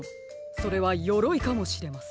それはよろいかもしれません。